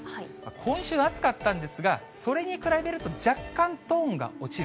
今週、暑かったんですが、それに比べると、若干トーンが落ちる。